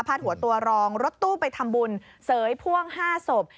หัวตัวรองรถตู้ไปทำบุญเสยพ่วง๕ศพ